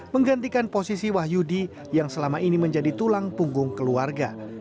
menggantikan posisi wahyudi yang selama ini menjadi tulang punggung keluarga